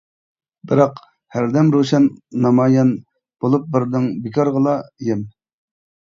بىراق، ھەردەم روشەن نامايان، بولۇپ بەردىڭ بىكارغىلا يەم.